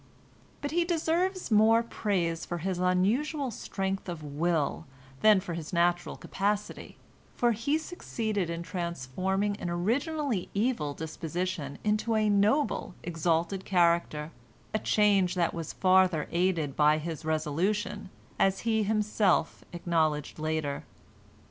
But he deserves more praise for his unusual strength of will than for his natural capacity, for he succeeded in transforming an originally evil disposition into a noble, exalted character, a change that was farther aided by his resolution, as he himself acknowledged later.